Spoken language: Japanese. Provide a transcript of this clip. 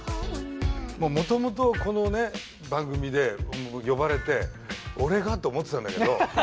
もともとこのね番組で呼ばれて俺が？と思ってたんだけど。